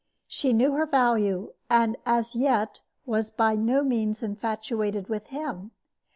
She knew her value, and as yet was by no means infatuated with him.